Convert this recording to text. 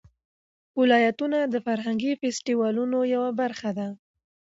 ولایتونه د فرهنګي فستیوالونو یوه برخه ده.